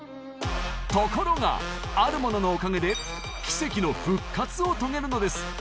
ところがあるもののおかげで奇跡の復活を遂げるのです！